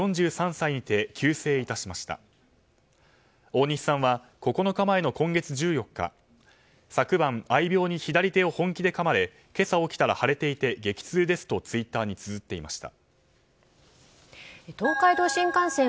大西さんは９日前の今月１４日昨晩、愛猫に左手を本気でかまれ今朝起きたら腫れていて激痛ですとツイッターにつづっていました。